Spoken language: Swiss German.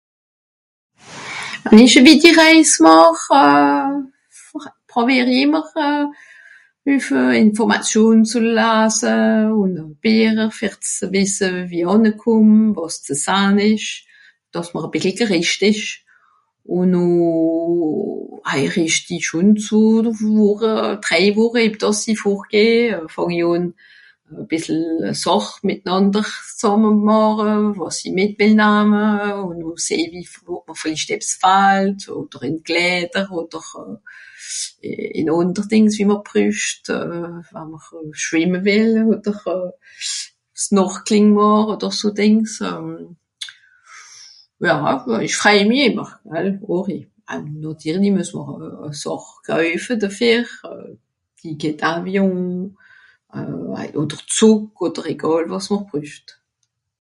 Wenn ìch e wìtti Rèis màch prowìer i ìmmer Hüffe Ìnformàtion ze lase, ùn oe Bìecher fer ze wìsse, wie i ànne kùmm, wàs ze sahn ìsch, dàss mr e bìssel (...) ìsch. Ùn noh (...) drèi Wùche eb dàss i fùrt geh fàng i àn, e bìssel Sàch mìtnànder zàmme màche, wàs i mìt wìll name ùn noh seh-w-i vìllicht ebbs fahlt, odder ìn Kläder odder ìn ànder Dìngs, wie mr brücht wa'mr schwìmme wìll odder (...) màche odder so Dìngs. Ja, Ìch frei mi ìmmer, àri. Ùn nàtirli mues mr e Sàch koejfe defìr, Ticket d'Avion, odder Zùg odder egàl wàs mr brücht.